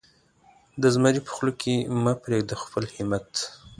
د زمري په خوله کې مه پرېږده خپل همت.